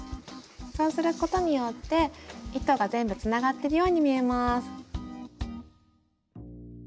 そうすることによって糸が全部つながってるように見えます。